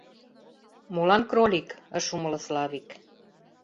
— Молан кролик? — ыш умыло Славик.